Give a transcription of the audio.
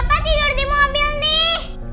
apa tidur di mobil nih